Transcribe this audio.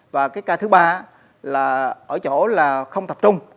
và cái ca thứ ba là ở chỗ là không tập trung